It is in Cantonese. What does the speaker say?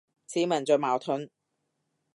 似民族矛盾